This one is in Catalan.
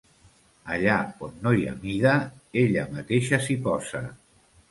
Allà on no hi ha mida, ella mateixa s'hi posa.